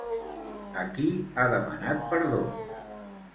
A qui ha demanat perdó?